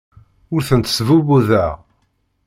Ur tent-sbubbuḍeɣ.